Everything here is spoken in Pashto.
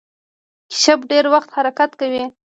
کیشپ ډیر ورو حرکت کوي